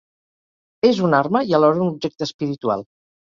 És una arma i alhora un objecte espiritual.